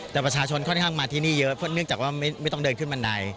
แต่ประชาชนค่อนข้างมาที่นี่เยอะเพราะเนื่องจากว่าไม่ต้องเดินขึ้นบันได